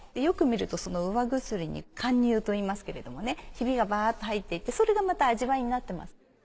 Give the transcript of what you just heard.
よく見ると釉薬に貫入といいますけれどもねヒビがバーッと入っていてそれがまた味わいになってます。